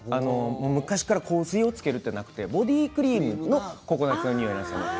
昔から香水をつけるのではなくてボディークリームのココナツの匂いなんです。